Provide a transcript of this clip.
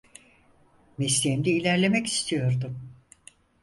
Mesleğimde ilerlemek istiyordum.